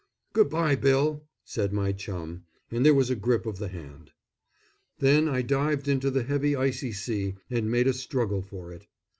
"Good bye, Bill," said my chum, and there was a grip of the hand. Then I dived into the heavy icy sea and made a struggle for it.